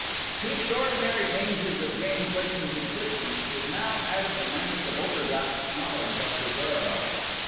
To the ordinary dangers of Jane Clayton's existence was now added the menace of Obergatz' knowledge of her whereabouts.